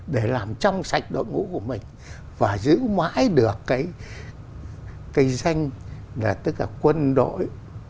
để làm chăm sạch đội ngũ của mình và giữ mãi được cái danh là tất cả quân đội